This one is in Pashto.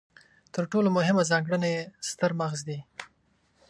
تر ټولو مهمه ځانګړنه یې ستر مغز دی.